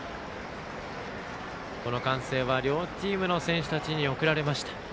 この歓声は両チームの選手たちに送られました。